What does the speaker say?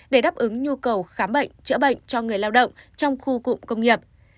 để đáp ứng nhu cầu khám bệnh chữa bệnh cho người lao động trong khu cụm công nghiệp